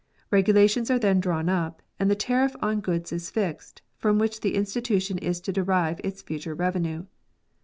Kegulations are then drawn up, and the tariff on goods is fixed, from which the institution is to derive its future revenue.